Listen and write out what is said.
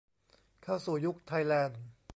เข้าสู่ยุคไทยแลนด์